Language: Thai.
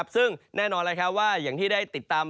ซึ่งแน่นอนว่าอย่างที่ได้ติดตาม